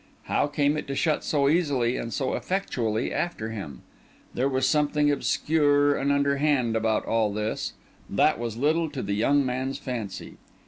How came it to shut so easily and so effectually after him? There was something obscure and underhand about all this, that was little to the young man's fancy.